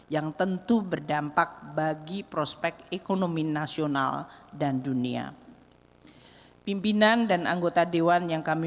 yang tentu berdampak bagi prospek ekonomi nasional dan dunia pimpinan dan anggota dewan yang kami